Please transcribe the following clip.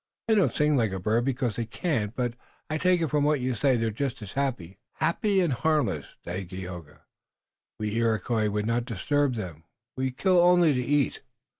"They don't sing like the bird, because they can't, but I take it from what you say they're just as happy." "Happy and harmless, Dagaeoga. We Iroquois would not disturb them. We kill only to eat."